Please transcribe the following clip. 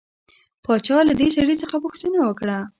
باچا له دې سړي څخه پوښتنه وکړه.